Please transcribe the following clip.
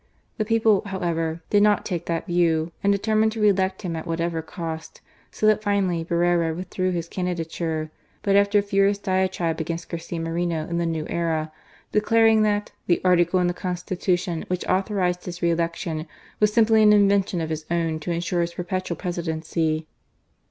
The people, however, did not take that view, and determined to re elect him at whatever cost ; so that finally Borrero withdrew his candidature, but after a furious diatribe against Garcia Moreno in the New Era, declaring that the article in the Constitution which authorized his re election was simply an invention of his own to ensure his perpetual Presi dency."